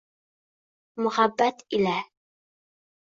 Muhabbat ila...